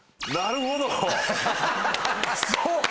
そうか！